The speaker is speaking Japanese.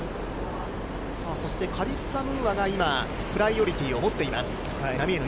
カリッサ・ムーアが今プライオリティーを持っています。